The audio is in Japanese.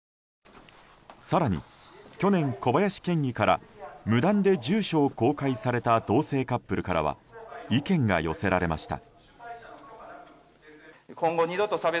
更に去年、小林県議から無断で住所を公開された同性カップルからは意見が寄せられました。